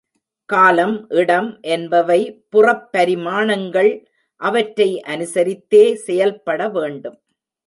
காலம், இடம் என்பவை புறப் பரிமாணங்கள் அவற்றை அனுசரித்தே செயல்பட வேண்டும்.